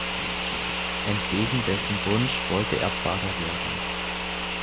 Entgegen dessen Wunsch wollte er Pfarrer werden.